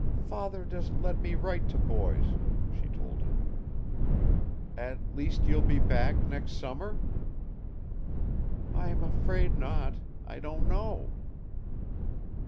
"Father doesn't let me write to boys," she told him. "At least you'll be back next summer?" "I'm afraid not. I don't know."